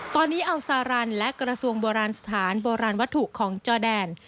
ตอนนี้อัลซารันและกระทรวงโบราณสถานโบราณวัตถุของจอแดน